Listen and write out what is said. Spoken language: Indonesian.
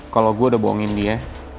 kalau gue udah bohongin dia